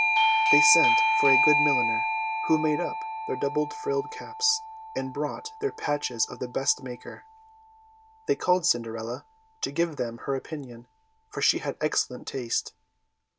They sent for a good milliner to make up their double frilled caps, and bought their patches of the best maker. They called Cinderella to give them her opinion, for she had excellent taste.